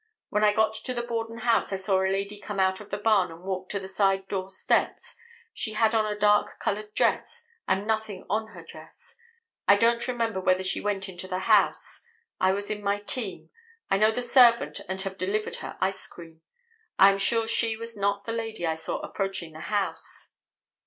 When I got to the Borden house I saw a lady come out of the barn and walk to the side door steps; she had on a dark colored dress and nothing on her dress; I don't remember whether she went into the house; I was in my team; I know the servant and have delivered her ice cream; I am sure she was not the lady I saw approaching the house."